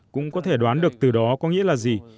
cũng có thể đoán được từ đó có nghĩa là gì